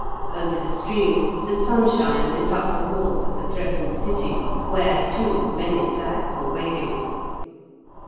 Over the stream the sunshine lit up the walls of the threatened city, where, too, many flags were waving.